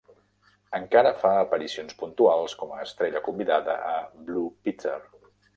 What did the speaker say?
Encara fa aparicions puntuals com a estrella convidada a "Blue Peter".